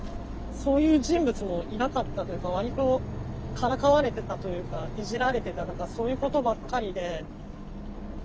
そういう人物もいなかったというか割とからかわれてたというかいじられてたとかそういうことばっかりで。